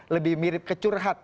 lebih mirip ke curhat